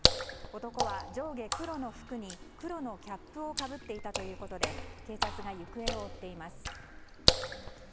男は上下黒の服に黒のキャップをかぶっていたということで警察が行方を追っています。